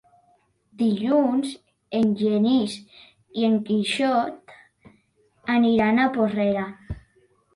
Dilluns en Genís i en Quixot aniran a Porrera.